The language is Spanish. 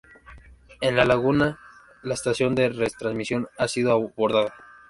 En la Luna, la estación de retransmisión ha sido abordada.